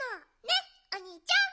ねっおにいちゃん！